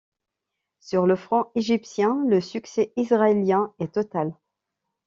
Sur le front égyptien, le succès israélien est total.